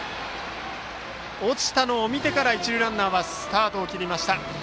落ちたのを見てから一塁ランナーはスタートを切りました。